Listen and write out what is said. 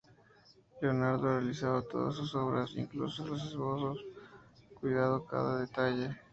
Leonardo realizaba todas sus obras, incluso los esbozos, cuidando cada detalle.